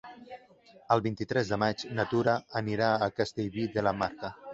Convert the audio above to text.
El vint-i-tres de maig na Tura anirà a Castellví de la Marca.